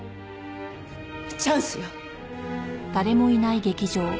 チャンスよ。